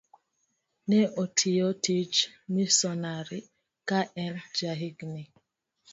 Ne otiyo tij misonari ka en jahigni